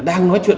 đang nói chuyện